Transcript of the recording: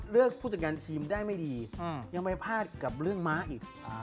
ผู้จัดการทีมได้ไม่ดียังไปพลาดกับเรื่องม้าอีก